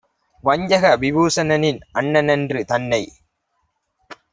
வஞ்சக விபூஷணனின் அண்ணனென்று தன்னை